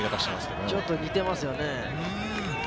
ちょっと似てますよね。